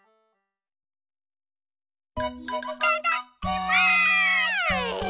いただきます！